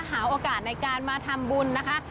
หาโอกาสในการมาทำบุญนะคะ